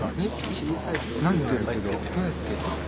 何どうやって。